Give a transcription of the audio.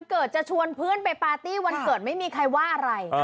เกิดจะชวนเพื่อนไปปาร์ตี้วันเกิดไม่มีใครว่าอะไร